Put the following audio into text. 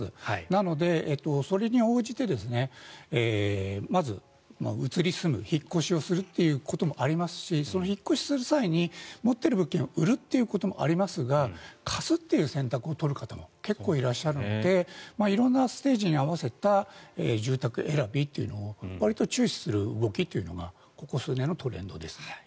なので、それに応じてまず移り住む引っ越しをするということもありますしその引っ越しする際に持っている物件を売るということもありますが貸すという選択を取る方も結構いらっしゃるので色んなステージに合わせた住宅選びというのをわりと重視する動きが最近のトレンドですね。